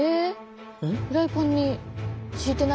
フライパンにしいてないよ？